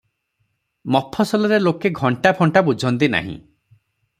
ମଫସଲରେ ଲୋକେ ଘଣ୍ଟା ଫଣ୍ଟା ବୁଝନ୍ତି ନାହିଁ ।